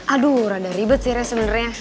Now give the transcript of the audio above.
aduh rada ribet sih sebenernya